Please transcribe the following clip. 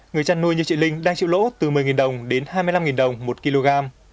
người chăn nuôi như chị linh đang chịu lỗ từ một mươi đồng đến hai mươi năm đồng một kg